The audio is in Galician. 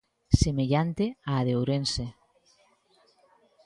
Semellante á de Ourense.